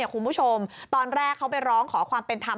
คุณผู้ชมตอนแรกเขาไปร้องขอความเป็นธรรม